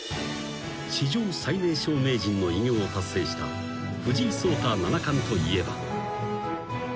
［史上最年少名人の偉業を達成した藤井聡太七冠といえば］